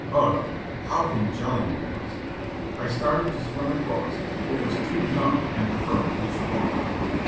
Ugh ! How congealing it was! I started to swim across, but was too numbed and the current too strong.